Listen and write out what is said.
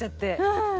うん。